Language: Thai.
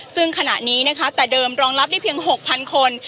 ซึ่งขณะนี้นะคะแต่เดิมรองรับได้เพียง๖๐๐คน